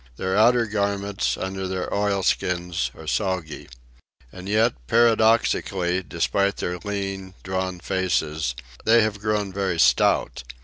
Their outer garments, under their oilskins, are soggy. And yet, paradoxically, despite their lean, drawn faces, they have grown very stout.